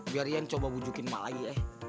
biar iyan coba bujukin emak lagi ya